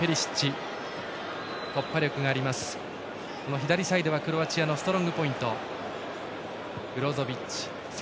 左サイドはクロアチアのストロングポイント。